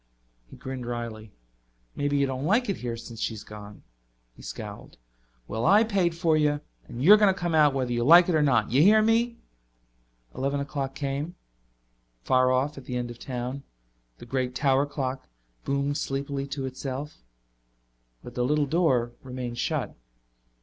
He grinned wryly. "Maybe you don't like it here since she's gone." He scowled. "Well, I paid for you, and you're coming out whether you like it or not. You hear me?" Eleven o'clock came. Far off, at the end of town, the great tower clock boomed sleepily to itself. But the little door remained shut.